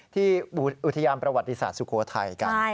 ที่อุทยานประวัติศาสตร์สุโขทัยกัน